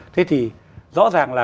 thế thì rõ ràng là